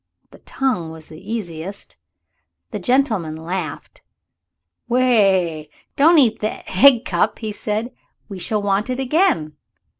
The tongue was the easiest. The gentleman laughed. "Weh! don't eat the egg cup," he said. "We shall want it again.